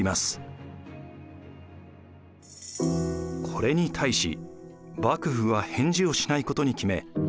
これに対し幕府は返事をしないことに決め